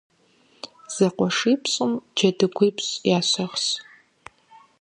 ЗэкъуэшипщӀым джэдыгуипщӀ ящыгъщ.